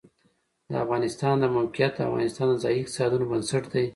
د افغانستان د موقعیت د افغانستان د ځایي اقتصادونو بنسټ دی.